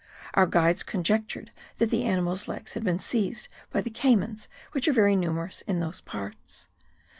Our guides conjectured that the animal's legs had been seized by the caymans which are very numerous in those parts.